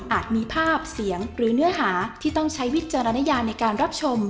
มีภาพเสียงหรือเนื้อหาที่ต้องใช้วิจารณญาในการรับชม